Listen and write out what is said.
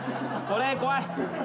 これ怖い。